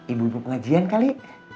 ibu ibu pengajian kali